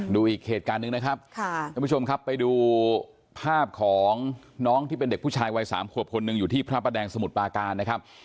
ดูอีกเหตุการณ์หนึ่งนะครับท่านผู้ชมครับไปดูภาพของน้องที่เป็นเด็กผู้ชายวัย๓ขวบคนหนึ่งอยู่ที่พระประแดงสมุทรปาการนะครับ